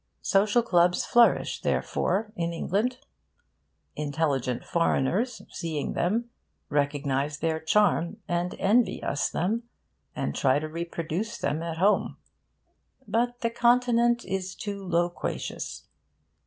Social clubs flourish, therefore, in England. Intelligent foreigners, seeing them, recognise their charm, and envy us them, and try to reproduce them at home. But the Continent is too loquacious.